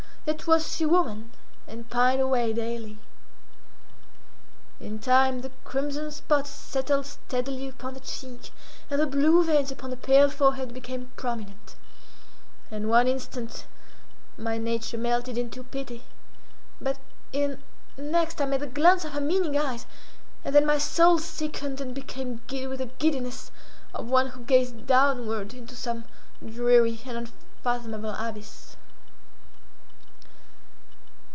Yet was she woman, and pined away daily. In time the crimson spot settled steadily upon the cheek, and the blue veins upon the pale forehead became prominent; and one instant my nature melted into pity, but in, next I met the glance of her meaning eyes, and then my soul sickened and became giddy with the giddiness of one who gazes downward into some dreary and unfathomable abyss.